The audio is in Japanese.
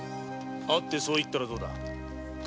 会ってそう言ったらどうだ？